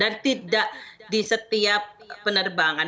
dan tidak di setiap penerbangan